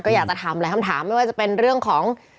อยากจะถามหลายคำถามไม่ว่าจะเป็นเรื่องของ